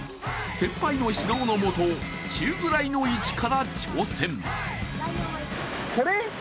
先輩の指導のもと中ぐらいの位置から挑戦。